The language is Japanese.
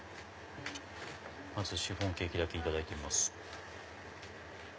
まずシフォンケーキだけいただいてみます。